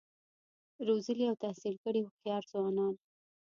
روزلي او تحصیل کړي هوښیار ځوانان